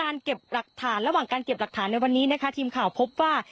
แล้วระหว่างการเก็บหลักฐานในวันนี้ทีมข่าวพบว่า